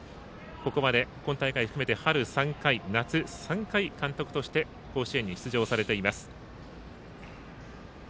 ここまで今大会含めて春３回、夏３回、監督として甲子園に出場されています。